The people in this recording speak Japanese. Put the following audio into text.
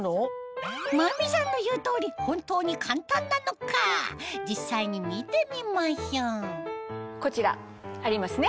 真美さんの言う通り本当に簡単なのか実際に見てみましょうこちらありますね。